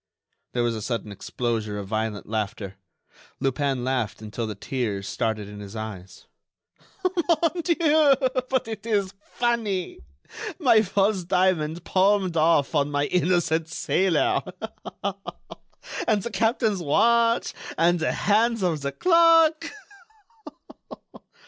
There was a sudden explosion of violent laughter. Lupin laughed until the tears started in his eyes. "Mon dieu, but it is funny! My false diamond palmed off on my innocent sailor! And the captain's watch! And the hands of the clock!"